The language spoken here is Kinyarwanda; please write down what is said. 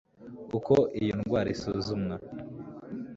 uko iyo ndwra isuzumwa